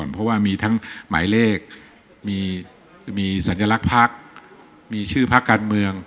เพราะว่ามีทั้งหมายเลขมีสัญลักษณ์พักมีชื่อพักการเมือง